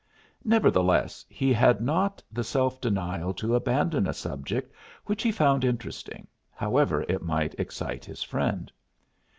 Nevertheless, he had not the self denial to abandon a subject which he found interesting, however it might excite his friend.